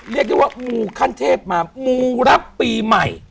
หมูวะหมูขั้นเทพมามีหมูรับปีใหม่